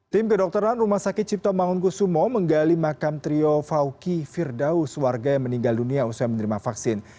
tim kedokteran rumah sakit cipto mangunkusumo menggali makam trio fawki firdaus warga yang meninggal dunia usai menerima vaksin